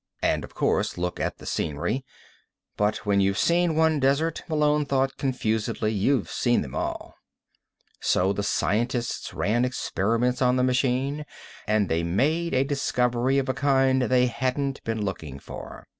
And, of course, look at the scenery. But when you've seen one desert, Malone thought confusedly, you've seen them all. So, the scientists ran experiments on the machine, and they made a discovery of a kind they hadn't been looking for.